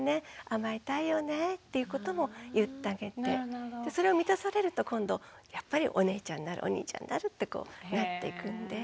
甘えたいよねっていうことも言ってあげてそれを満たされると今度やっぱりお姉ちゃんになるお兄ちゃんになるってなっていくんで。